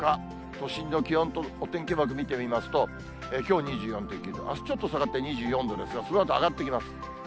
都心の気温とお天気マーク、見てみますと、きょう２４．９度、あすちょっと下がって２４度ですが、そのあと上がってきます。